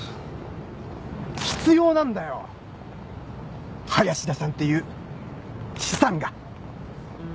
必要なんだよ林田さんっていう資産が。